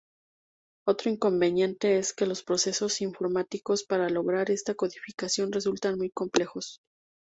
Otro inconveniente, es que los procesos informáticos para lograr esta codificación resultan muy complejos.